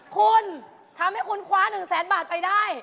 คุณทำให้คุณคว้า๑แสนบาทไปได้